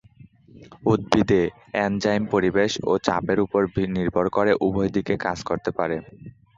উদ্ভিদে, এনজাইম পরিবেশ ও চাপের উপর নির্ভর করে উভয় দিকে কাজ করতে পারে।